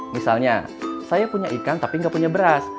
misalnya saya punya ikan tapi nggak punya beras